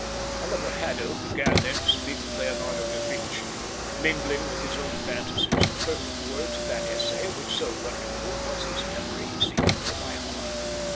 Oliver Haddo began then to speak of Leonardo da Vinci, mingling with his own fantasies the perfect words of that essay which, so wonderful was his memory, he seemed to know by heart.